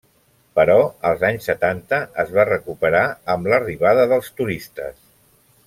Però als anys setanta es va recuperar amb l'arribada dels turistes.